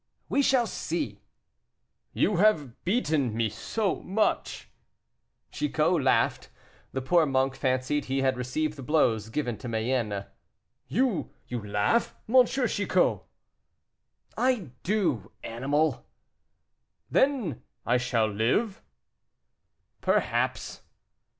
"We shall see." "You have beaten me so much." Chicot laughed; the poor monk fancied he had received the blows given to Mayenne. "You laugh, M. Chicot." "I do, animal." "Then I shall live?" "Perhaps."